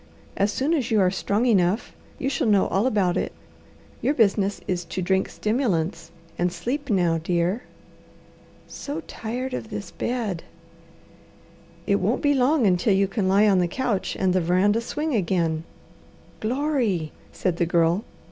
As soon as you are strong enough, you shall know all about it. Your business is to drink stimulants and sleep now, dear." "So tired of this bed!" "It won't be long until you can lie on the couch and the veranda swing again." "Glory!" said the Girl.